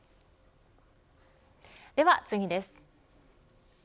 では次です。